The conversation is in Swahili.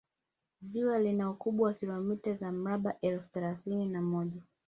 ziwa lina ukubwa wa kilomita za mraba elfu thelathini na moja